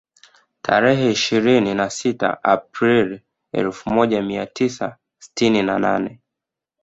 Tarehe ishirini na sita Aprili elfu moja mia tisa sitini na nne